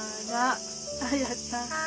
はい。